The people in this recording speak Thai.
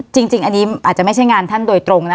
จริงอันนี้อาจจะไม่ใช่งานท่านโดยตรงนะ